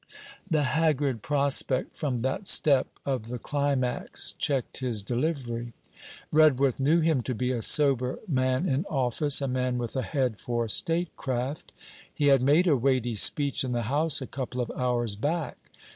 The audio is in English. The haggard prospect from that step of the climax checked his delivery. Redworth knew him to be a sober man in office, a man with a head for statecraft: he had made a weighty speech in the House a couple of hours back.